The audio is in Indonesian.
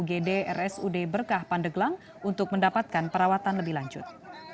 gd rsud berkah pandeglang untuk mendapatkan perawatan lebih lanjut